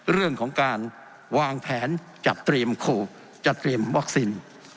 เรื่องของการวางแผนจัดเตรียมโควิดจัดเตรียมวัคซีน